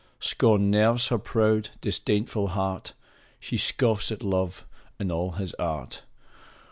Scorn nerves her proud, disdainful heart ! She scoffs at Love and all his art